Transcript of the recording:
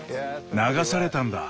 流されたんだ。